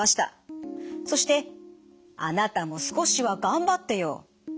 そして「あなたも少しはがんばってよ！」